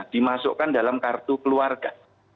dimasukkan dalam kartu keluarga